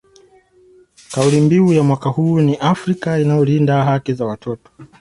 Kauli mbiu ya mwaka huu ni Afrika inayolinda haki za watoto